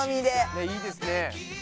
ねいいですね。